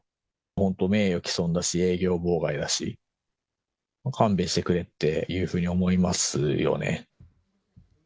本当、名誉毀損だし、営業妨害だし、勘弁してくれっていうふうに思いますよね。